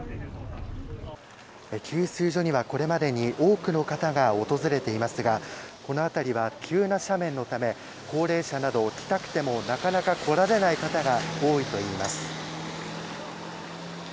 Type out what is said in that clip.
給水所にはこれまでに多くの方が訪れていますがこの辺りは急な斜面のため高齢者など来たくてもなかなか来られない方が多いといいます。